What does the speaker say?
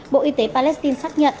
bộ y tế palestine xác nhận